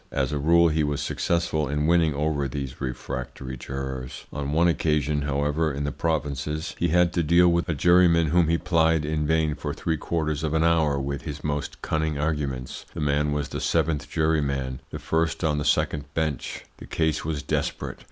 As a rule he was successful in winning over these refractory jurors. On one occasion, however, in the provinces, he had to deal with a juryman whom he plied in vain for three quarters of an hour with his most cunning arguments; the man was the seventh juryman, the first on the second bench. The case was desperate.